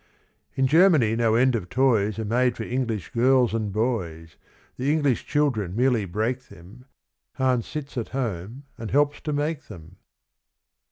In Germany, no end of toys Are made for English girls and boys. The English children merely break them; Hans sits at home and helps to make them.